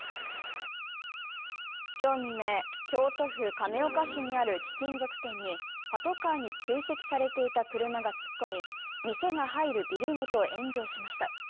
今日未明、京都府亀岡市にある貴金属店にパトカーに追跡されていた車が突っ込み、店が入るビルごと炎上しました。